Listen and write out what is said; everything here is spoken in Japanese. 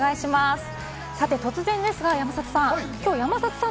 突然ですが山里さん